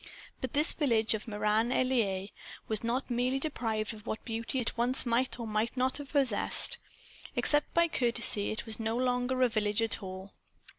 But this village of Meran en Laye was not merely deprived of what beauty it once might or might not have possessed. Except by courtesy it was no longer a village at all.